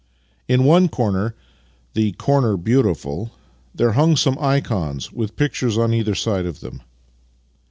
In one corner — the " corner beautiful "— there hung some ikons, with pictures on either side of them.